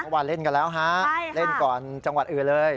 วันเล่นกันแล้วฮะเล่นก่อนจังหวัดอื่นเลย